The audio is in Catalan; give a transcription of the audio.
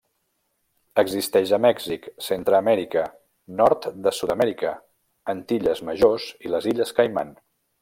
Existeix a Mèxic, Centreamèrica, nord de Sud-amèrica, Antilles Majors, i les Illes Caiman.